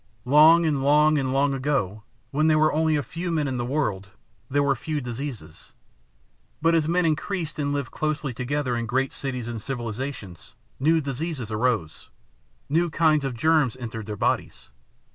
Long and long and long ago, when there were only a few men in the world, there were few diseases. But as men increased and lived closely together in great cities and civilizations, new diseases arose, new kinds of germs entered their bodies.